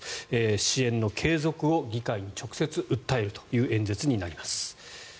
支援の継続を議会に直接訴えるという演説になります。